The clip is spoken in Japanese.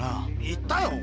言ったよ。